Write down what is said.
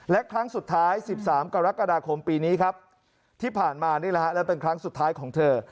และครั้งสุดท้าย๑๓กรกฎาคมปีนี้ครับที่ผ่านมานี่แหละฮะและเป็นครั้งสุดท้ายของเธอ